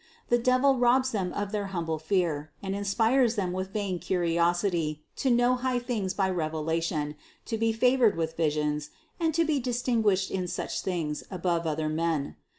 The devil robs them of their humble fear and inspires them with vain curiosity to know high things by revela tion, to be favored with visions, and to be distinguished in such things above other men.